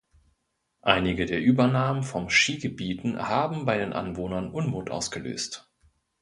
Einige der Übernahmen von Skigebieten haben bei den Anwohnern Unmut ausgelöst.